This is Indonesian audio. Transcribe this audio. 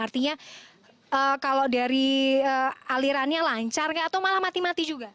artinya kalau dari alirannya lancar atau malah mati mati juga